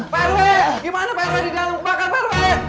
perwe gimana perwa di dalam kebakaran perwe